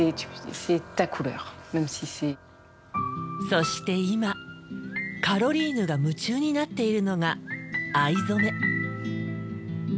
そして今カロリーヌが夢中になっているのが藍染め。